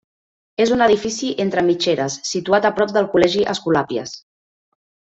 És un edifici entre mitgeres situat a prop del col·legi Escolàpies.